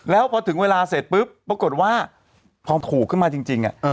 แล้วพอถึงเวลาเสร็จปุ๊บปรากฏว่าพอถูกขึ้นมาจริง